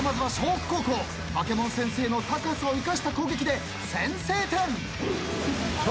北高校バケモン先生の高さを生かした攻撃で先制点。笑